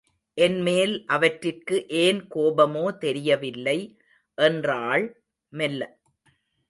என்மேல் அவற்றிற்கு ஏன் கோபமோ தெரியவில்லை என்றாள் மெல்ல.